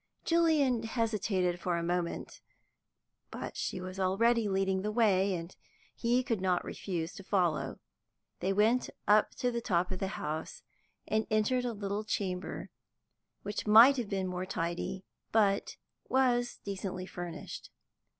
Julian hesitated for a moment, but she was already leading the way, and he could not refuse to follow. They went up to the top of the house, and entered a little chamber which might have been more tidy, but was decently furnished.